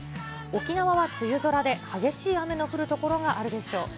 沖縄は梅雨空で、激しい雨の降る所があるでしょう。